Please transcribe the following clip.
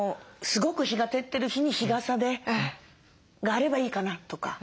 すごく日が照ってる日に日傘があればいいかなとか。